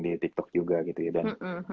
di tiktok juga gitu ya dan